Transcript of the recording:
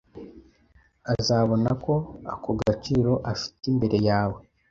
Azabona ko ako gaciro afite imbere yawe